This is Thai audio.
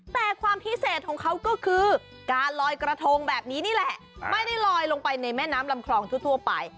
แต่ความพิเศษของเขาก็คือการลอยกระทงแบบนี้นี่แหละไม่ได้ลอยลงไปในแม่น้ำลำคลองทั่วไป